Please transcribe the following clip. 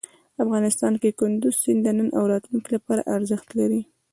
افغانستان کې کندز سیند د نن او راتلونکي لپاره ارزښت لري.